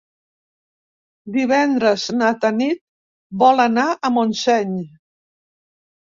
Divendres na Tanit vol anar a Montseny.